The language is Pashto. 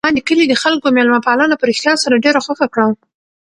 ما د کلي د خلکو مېلمه پالنه په رښتیا سره ډېره خوښه کړه.